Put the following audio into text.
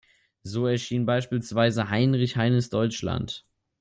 So erschien beispielsweise Heinrich Heines Deutschland.